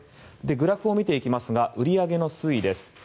グラフを見ていきますが売り上げの推移です。